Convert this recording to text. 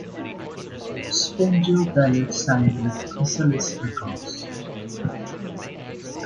Spandau Ballet signed with Chrysalis Records.